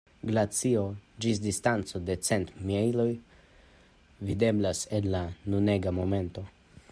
Glacio ĝis distanco de cent mejloj videblas en la nunega momento.